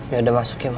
ya udah masuk ya ma